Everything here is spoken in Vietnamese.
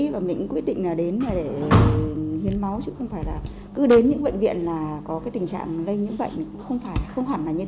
và mình cũng quyết định là đến để hiến máu chứ không phải là cứ đến những bệnh viện là có cái tình trạng lây những bệnh không phải không hẳn là như thế